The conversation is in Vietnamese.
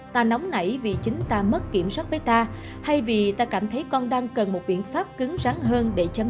ta nóng nảy vì chính ta mất kiểm soát với ta hay vì ta cảm thấy con đang cần một biện pháp cứng rắn hơn để chấm dứt cái sai